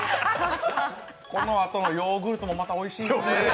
このあとのヨーグルトもまたおいしいですね。